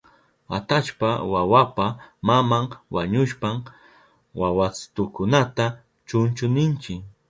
Atallpa wawapa maman wañushpan wawastukunata chunchu ninchi.